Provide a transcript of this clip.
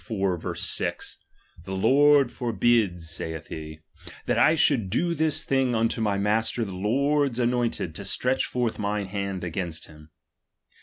6) : The Lord forhid, Eaith he, that I should do this thing unto my master the Lord's anointed, to stretch forth mine hand against him.